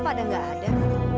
kok pada nggak ada